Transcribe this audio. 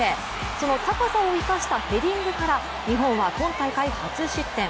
その高さを生かしたヘディングから日本は今大会初失点。